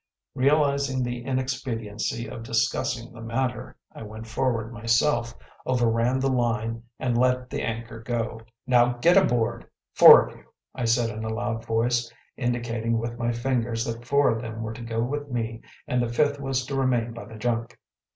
Realizing the inexpediency of discussing the matter, I went forward myself, overran the line, and let the anchor go. “Now get aboard, four of you,‚ÄĚ I said in a loud voice, indicating with my fingers that four of them were to go with me and the fifth was to remain by the junk.